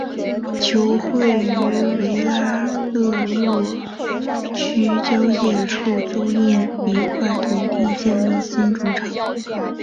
球会于维拉勒若区交界处租用一块土地建立新主场。